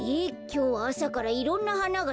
きょうはあさからいろんなはながさくな。